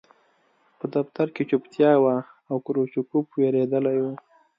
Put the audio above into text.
په دفتر کې چوپتیا وه او کروچکوف وېرېدلی و